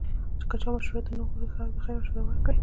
که چا مشوره درنه غوښته، ښه او د خیر مشوره ورکوئ